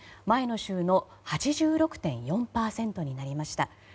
前の週の８６．４％になりました。